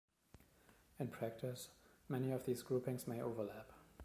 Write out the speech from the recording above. In practice, many of these groupings may overlap.